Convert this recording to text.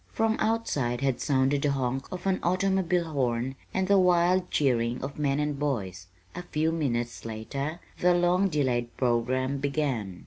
From outside had sounded the honk of an automobile horn and the wild cheering of men and boys. A few minutes later the long delayed programme began.